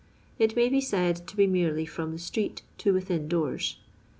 It may be said to be merely from the street to within doors.